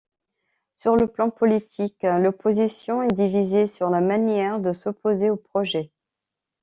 Sur le plan politique, l'opposition est divisée sur la manière de s'opposer au projet.